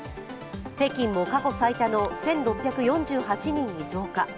北京も過去最多の１６４８人に増加。